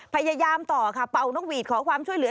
พยายามต่อค่ะเป่านกหวีดขอความช่วยเหลือ